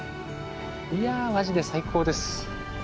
いやマジで最高です。